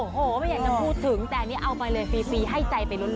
โอ้โหไม่อยากจะพูดถึงแต่อันนี้เอาไปเลยฟรีให้ใจไปล้วน